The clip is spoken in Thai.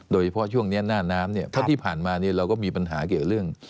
โดยเฉพาะช่วงนี้หน้าน้ำเนี่ยเพราะที่ผ่านมาเนี่ยเราก็มีปัญหาเกี่ยวเรื่อง